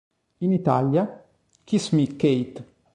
In Italia "Kiss Me, Kate!